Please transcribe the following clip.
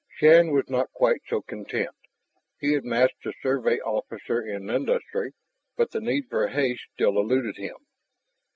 Shann was not quite so content. He had matched the Survey officer in industry, but the need for haste still eluded him.